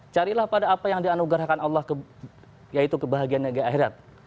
carilah pada apa yang dianugerahkan allah yaitu kebahagiaan yang agak akhirat